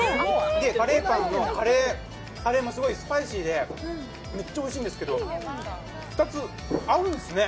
カレーパンのカレーもすごいスパイシーでめっちゃおいしいんですけど、２つ合うんですね。